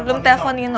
sebelum telepon nino